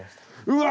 うわ！